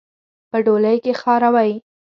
په ډولۍ کې خاروئ.